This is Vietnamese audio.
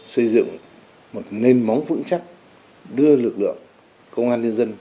xây dựng một nền móng vững chắc đưa lực lượng công an nhân dân